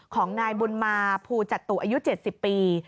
ของนายบุญมาภูจตุอายุ๗๐ปี